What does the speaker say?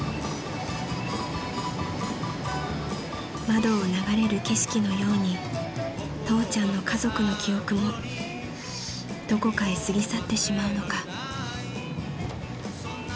［窓を流れる景色のように父ちゃんの家族の記憶もどこかへ過ぎ去ってしまうのか］